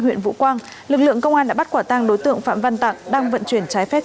huyện vũ quang lực lượng công an đã bắt quả tăng đối tượng phạm văn tặng đang vận chuyển trái phép